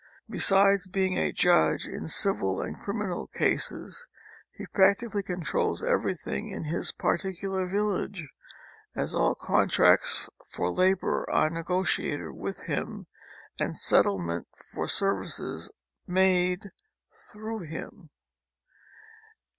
Besides being a judge in civil and criminal cases, he practically controls everything in his jDarticular village, as all contracts for labor are negotiated with him and settlement for services made through him.